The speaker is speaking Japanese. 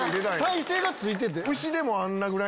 耐性がついてて。